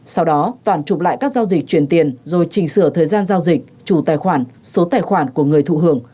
sau đó toàn chụp lại các giao dịch chuyển tiền rồi chỉnh sửa thời gian giao dịch chủ tài khoản số tài khoản của người thụ hưởng